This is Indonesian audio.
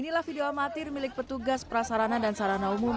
inilah video amatir milik petugas prasarana dan sarana umum